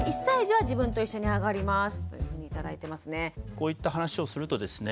こういった話をするとですね